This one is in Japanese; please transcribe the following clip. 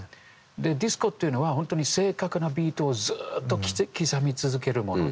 でディスコっていうのは本当に正確なビートをずっと刻み続けるもので。